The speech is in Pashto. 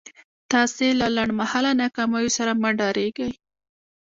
تاسې له لنډ مهاله ناکاميو سره مه ډارېږئ.